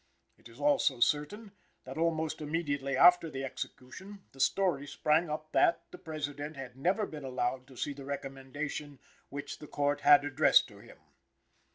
It is also certain, that almost immediately after the execution the story sprang up that the President had never been allowed to see the recommendation which the Court had addressed to him.